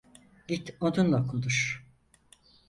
Git onunla konuş.